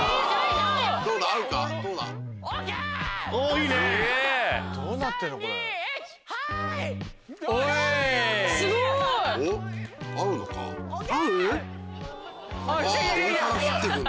上から降ってくる。